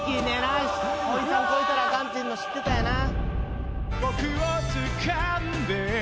ほいさん超えたらあかんっていうの知ってたんやな。